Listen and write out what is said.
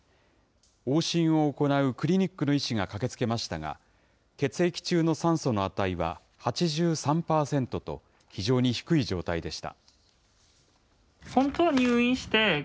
往診を行うクリニックの医師が駆けつけましたが、血液中の酸素の値は８３％と、非常に低い状態でした。